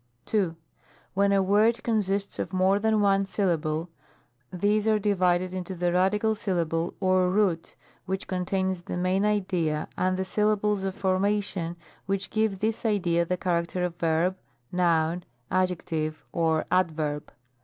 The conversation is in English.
2. When a word consists of more than one sylla ble, these are divided into the radical syllable, or root, which contains the main idea, and the syllables of formation, which give this idea the character of verb, noun, adjective, or adverb.